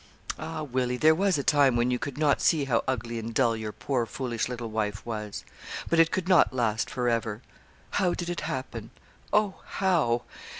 'Ah! Willie, there was a time when you could not see how ugly and dull your poor foolish little wife was; but it could not last for ever. How did it happen oh, how?